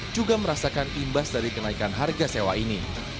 juga merasakan imbas dari kenaikan harga sewa ini